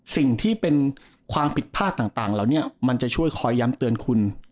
สิ่งที่เป็นความผิดพลาดต่างเหล่านี้มันจะช่วยคอยย้ำเตือนคุณ